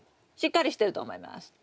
しっかりしてると思います。